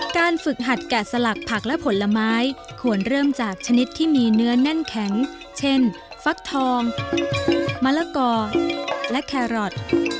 การฝึกหัดแกะสลักผักและผลไม้ควรเริ่มจากชนิดที่มีเนื้อแน่นแข็งเช่นฟักทองมะละกอและแครอท